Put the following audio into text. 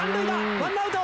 ワンアウト！